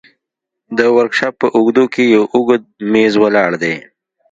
د ورکشاپ په اوږدو کښې يو اوږد مېز ولاړ دى.